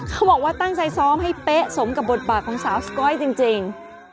เขาบอกว่าตั้งใจซ้อมให้เป๊ะสมกับบทบาทของสาวสก๊อยจริง